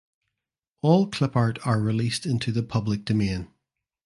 All Clipart are Released into the Public Domain.